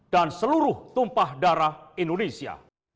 dan seluruh tumpah darah indonesia